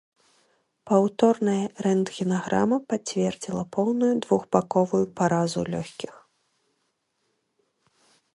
Паўторная рэнтгенаграма пацвердзіла поўную двухбаковую паразу лёгкіх.